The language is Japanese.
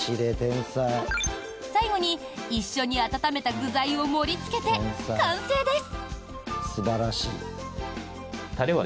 最後に、一緒に温めた具材を盛りつけて完成です！